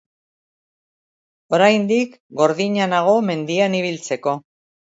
Oraindik gordina nago mendian ibiltzeko.